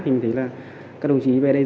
thì mình thấy là các đồng chí về đây rất là tốt